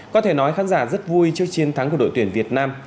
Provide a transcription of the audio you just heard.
có thể nói khán giả rất vui trước chiến thắng của đội tuyển việt nam